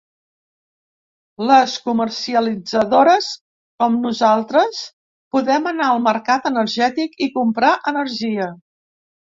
Les comercialitzadores, com nosaltres, podem anar al mercat energètic i comprar energia.